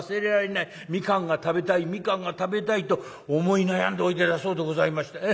蜜柑が食べたい蜜柑が食べたいと思い悩んでおいでだそうでございました。